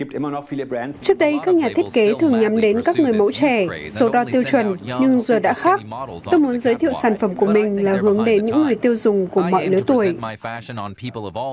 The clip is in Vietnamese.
trước đây các nhà thiết kế thường nhắm đến các người mẫu trẻ số đo tiêu chuẩn nhưng giờ đã khác tôi muốn giới thiệu sản phẩm của mình là hướng đến những người tiêu dùng của mọi lứa tuổi